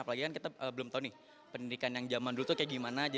apalagi kita belum tahu pendidikan yang zaman dulu itu bagaimana